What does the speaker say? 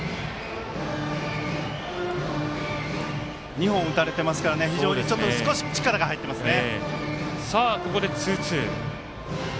２本打たれていますから非常に力入っていますね。